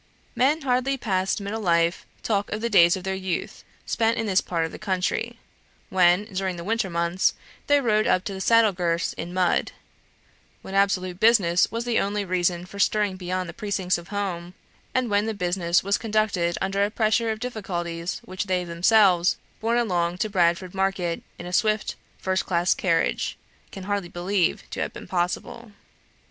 Men hardly past middle life talk of the days of their youth, spent in this part of the country, when, during the winter months, they rode up to the saddle girths in mud; when absolute business was the only reason for stirring beyond the precincts of home, and when that business was conducted under a pressure of difficulties which they themselves, borne along to Bradford market in a swift first class carriage, can hardly believe to have been possible.